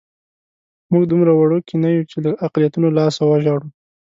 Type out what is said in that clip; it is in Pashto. موږ دومره وړوکي نه یو چې له اقلیتونو لاسه وژاړو.